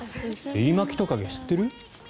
エリマキトカゲ知ってる？